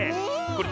これ。